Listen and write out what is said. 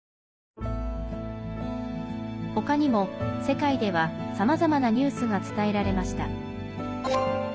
ほかにも世界ではさまざまなニュースが伝えられました。